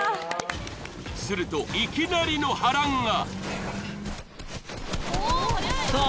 するといきなりの波乱が！